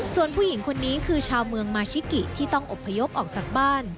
ส่วนผู้หญิงคนนี้คือชาวเมืองมาชิกิที่ต้องอบพยพออกจากบ้าน